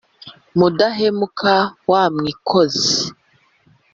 Mudahinyuka wa Mwikozi,